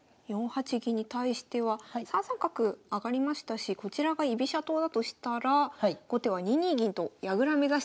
４八銀に対しては３三角上がりましたしこちらが居飛車党だとしたら後手は２二銀と矢倉目指していきたいです。